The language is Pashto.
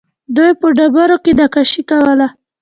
دوی په ډبرو کې نقاشي کوله